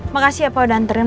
makasih ya pa udah anterin